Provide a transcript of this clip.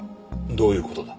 どういう事だ？